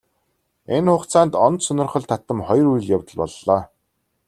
Энэ хугацаанд онц сонирхол татам хоёр үйл явдал боллоо.